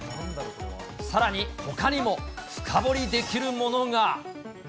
さらに、ほかにも深掘りできるものが。